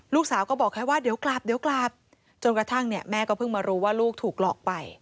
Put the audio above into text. ลูกสาวก็บอกแค่ว่าเดี๋ยวกลับเดี๋ยวกลับจนกระทั่งเนี่ยแม่ก็เพิ่งมารู้ว่าลูกถูกหลอกไป